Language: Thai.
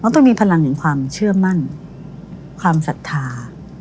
ต้องมีพลังแห่งความเชื่อมั่นความศรัทธา